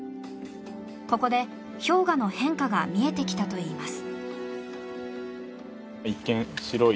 ここで氷河の変化が見えてきたといいます。